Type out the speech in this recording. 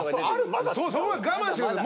そこまで我慢してください。